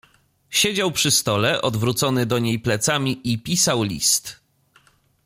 "Siedział przy stole odwrócony do niej plecami i pisał list."